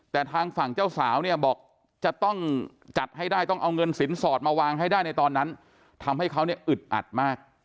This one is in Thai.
แต่ทางฝั่งเจ้าสาวเนี่ยบอกจะต้องจัดให้ได้ต้องเอาเงินสินสอดมาวางให้ได้ในตอนนั้นทำให้เขาเนี่ยอึดอัดมาก